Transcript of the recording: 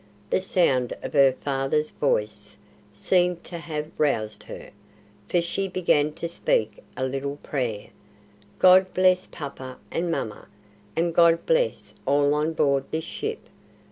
The sound of her father's voice seemed to have roused her, for she began to speak a little prayer: "God bless papa and mamma, and God bless all on board this ship.